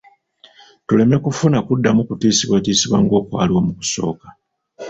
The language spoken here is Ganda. Tuleme kuddamu kufuna kutiisibwatiisibwa ng'okwaliwo mu kusooka.